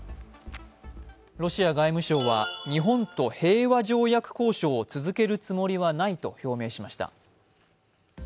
ロシア外務省は、日本と平和条約交渉を続けるつもりはないと表明しました。